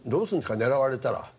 狙われたら。